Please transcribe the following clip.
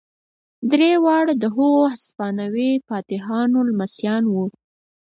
درې واړه د هغو هسپانوي فاتحانو لمسیان وو.